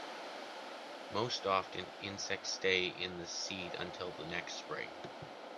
Most often, insects stays in the seed until the next spring.